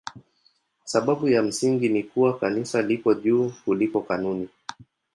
Sababu ya msingi ni kuwa Kanisa liko juu kuliko kanuni.